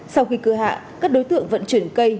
sau khi cưa hạ các đối tượng vận chuyển cây